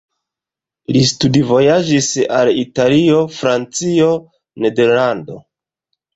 Li studvojaĝis al Italio, Francio, Nederlando.